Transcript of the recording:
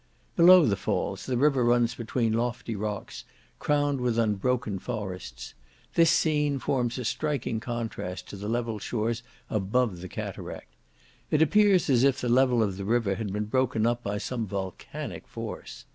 Below the falls, the river runs between lofty rocks, crowned with unbroken forests; this scene forms a striking contrast to the level shores above the cataract. It appears as if the level of the river had been broken up by some volcanic force.